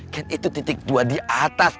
kan itu titik dua di atas